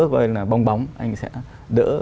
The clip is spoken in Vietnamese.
coi là bong bóng anh sẽ đỡ